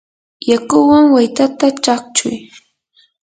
yakuwan waytata chaqchuy.